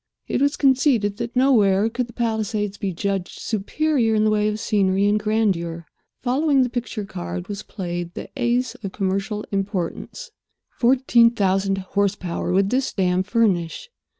It was conceded that nowhere could the Palisades be judged superior in the way of scenery and grandeur. Following the picture card was played the ace of commercial importance. Fourteen thousand horsepower would this dam furnish.